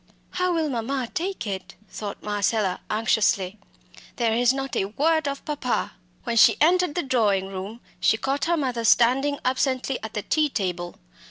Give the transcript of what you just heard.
"How will mamma take it?" thought Marcella anxiously. "There is not a word of papa!" When she entered the drawing room, she caught her mother standing absently at the tea table.